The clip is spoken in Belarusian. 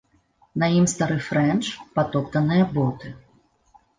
На ім стары фрэнч, патоптаныя боты.